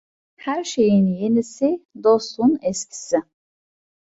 Her şeyin yenisi, dostun eskisi.